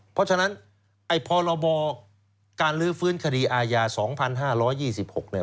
เพราะฉะนั้นไอ้พรบการลื้อฟื้นคดีอาญา๒๕๒๖เนี่ย